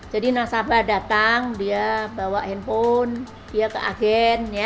jadi nasabah datang dia bawa handphone dia ke agen